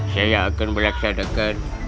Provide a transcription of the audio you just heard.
saya akan melaksanakan